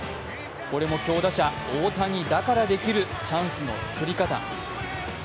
これも強打者・大谷だからできるチャンスの作り方。